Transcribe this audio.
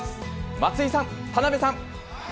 松井さん、田辺さん。